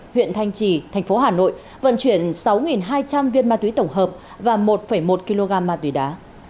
huyện thanh trì thành phố hà nội vận chuyển sáu hai trăm linh viên ma túy tổng hợp và một một kg ma túy đá